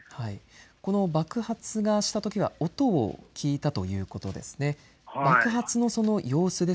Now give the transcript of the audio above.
この爆発がしたときは音を聞いたということですね。